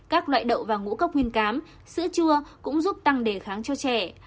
các loại đậu và ngũ cốc nguyên cám sữa chua cũng giúp tăng đề kháng cho trẻ